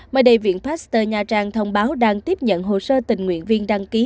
mời đầy viện pasteur nha trang thông báo đang tiếp nhận hồ sơ tình nguyện viên đăng ký